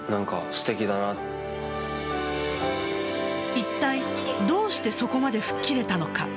いったいどうしてそこまで吹っ切れたのか。